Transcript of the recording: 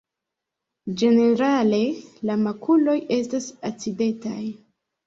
Ĝenerale la makuloj estas acidetaj.